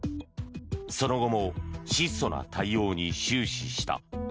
その後も質素な対応に終始した。